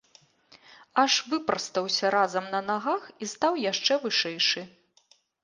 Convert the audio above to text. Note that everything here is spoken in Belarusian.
Аж выпрастаўся разам на нагах і стаў яшчэ вышэйшы.